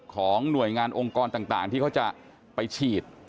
ของหน่วยงานองค์กรต่างที่เขาจะไปฉีด